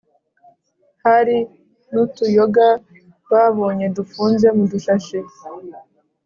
hari n’utuyoga babonye dufunze mu dushashi